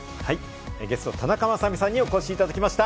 ゲスト・田中雅美さんにお越しいただきました。